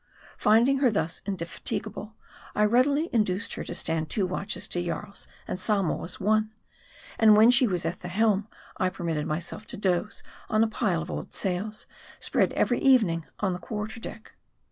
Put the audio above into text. Finding her thus indefatigable, I readily induced her to stand two watches to Jaii's and Samoa's one ; and when she was at the helm, I permitted myself to doze on a pile of old sails, spread every evening on the quarter deck.